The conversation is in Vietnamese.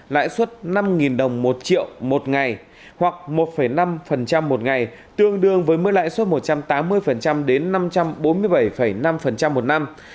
lãi suất năm đồng một triệu một ngày hoặc một năm một ngày tương đương với mức lãi suất một trăm tám mươi đến năm trăm bốn mươi bảy năm một năm